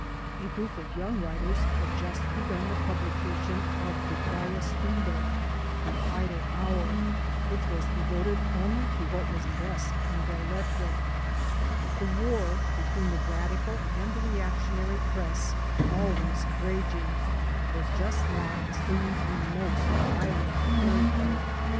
A group of young writers had just begun the publication of Die Freie Stunde (The Idle Hour), which was devoted only to what was b.est in belles lettres. The war between the radical and the reactionary press, always raging, was just now assuming a most violent character.